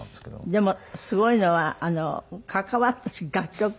でもすごいのは関わった楽曲